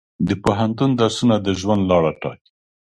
د پوهنتون درسونه د ژوند لاره ټاکي.